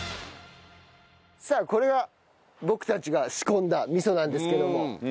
さあこれが僕たちが仕込んだ味噌なんですけども。